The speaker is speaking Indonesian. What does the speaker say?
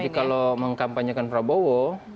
jadi kalau mengkampanyekan prabowo